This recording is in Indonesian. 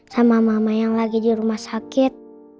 sama mama yang lagi di rumah sakit